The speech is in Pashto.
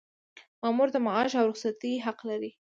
مامور د معاش او رخصتۍ حق لري.